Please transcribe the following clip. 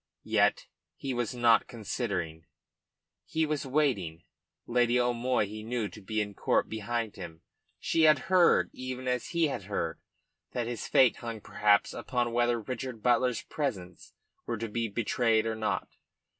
Yet he was not considering; he was waiting. Lady O'Moy he knew to be in court, behind him. She had heard, even as he had heard, that his fate hung perhaps upon whether Richard Butler's presence were to be betrayed or not.